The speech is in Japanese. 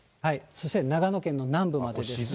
そして長野県の南部までですね。